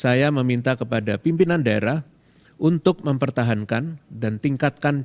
saya meminta kepada pimpinan daerah untuk mengembangkan keadaan masyarakat di daerah daerah ini